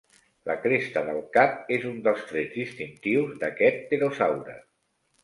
La cresta del cap és un dels trets distintius d'aquest pterosaure.